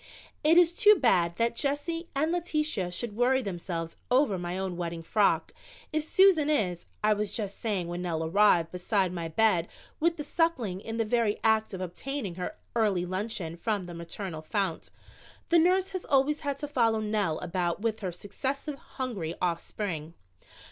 "It is too bad that Jessie and Letitia should worry themselves over my own wedding frock, if Susan is " I was just saying when Nell arrived beside my bed with the Suckling in the very act of obtaining her early luncheon from the maternal fount. The nurse has always had to follow Nell about with her successive hungry offspring.